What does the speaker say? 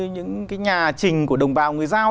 những cái nhà trình của đồng bào người giao